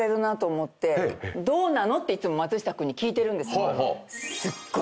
どうなの？っていつも松下君に聞いてるんです。